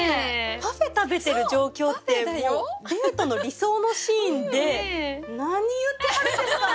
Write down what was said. パフェ食べてる状況ってもうデートの理想のシーンで何言ってはるんですか！？